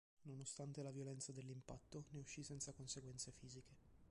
Nonostante la violenza dell'impatto, ne uscì senza conseguenze fisiche.